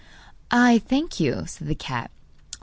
'I thank you,' said the cat.